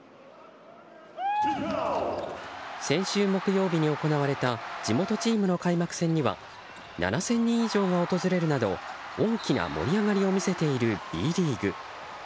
先週木曜日に行われた地元チームの開幕戦には７０００人以上が訪れるなど大きな盛り上がりを見せているＢリーグ。